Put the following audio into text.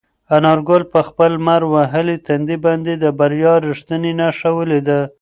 انارګل په خپل لمر وهلي تندي باندې د بریا رښتینې نښه ولیده.